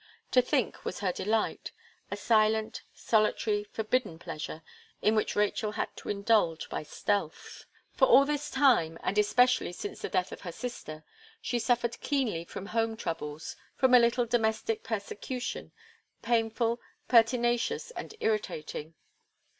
To think was her delight; a silent, solitary, forbidden pleasure, in which Rachel had to indulge by stealth. For all this time, and especially since the death of her sister, she suffered keenly from home troubles, from a little domestic persecution, painful, pertinacious, and irritating.